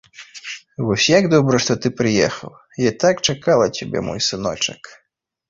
Вось як добра, што ты прыехаў, я так чакала цябе, мой сыночак.